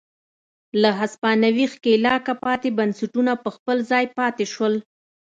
له هسپانوي ښکېلاکه پاتې بنسټونه پر خپل ځای پاتې شول.